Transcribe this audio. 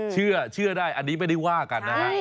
เชื่อได้อันนี้ไม่ได้ว่ากันนะฮะ